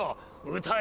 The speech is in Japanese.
歌え！